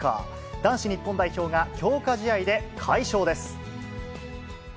男子日本代表が強化試合で快勝です。